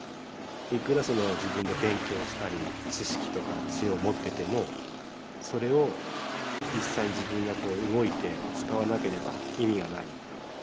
いくら自分で勉強したり知識とか知恵を持っててもそれを実際に自分が動いて使わなければ意味がないだろうと。